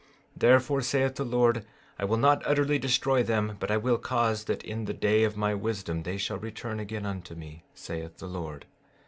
15:16 Therefore, saith the Lord: I will not utterly destroy them, but I will cause that in the day of my wisdom they shall return again unto me, saith the Lord.